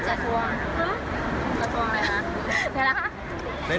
กระทรวงอะไรฮะใช่เหรอ